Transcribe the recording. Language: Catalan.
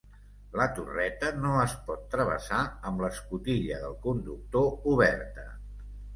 La torreta no es pot travessar amb l'escotilla del conductor oberta.